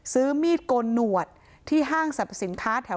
ซื้อมีดโกนหนวดที่ห้างสรรพสินค้าแถว